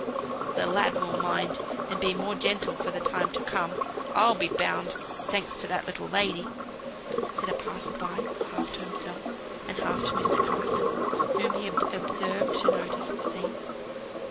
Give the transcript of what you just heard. "That lad will mind, and be more gentle for the time to come, I'll be bound, thanks to that little lady," said a passer by, half to himself, and half to Mr. Carson, whom he had observed to notice the scene.